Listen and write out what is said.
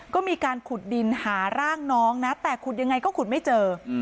ก็มีการขุดดินหาร่างน้องนะแต่ขุดยังไงก็ขุดไม่เจอ